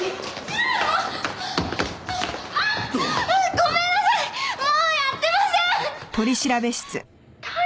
ごめんなさい！